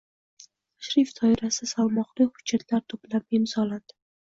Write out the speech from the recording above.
Tashrif doirasida salmoqli hujjatlar to‘plami imzolandi